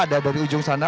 ada dari ujung sana